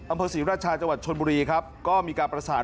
อำเภอศรีราชาจังหวัดชนบุรีครับก็มีการประสาน